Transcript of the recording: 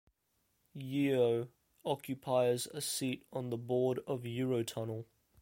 Yeo occupies a seat on the board of Eurotunnel.